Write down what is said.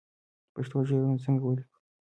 پښتو شعرونه څنګه ولیکو